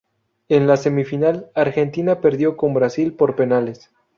En la semifinal Argentina perdió con Brasil por penales.